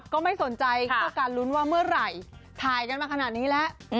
ก็การลุ้นว่าเมื่อไหร่ถ่ายกันมาขนาดนี้แล้ว